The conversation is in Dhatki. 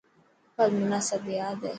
پر منا سب ياد هي.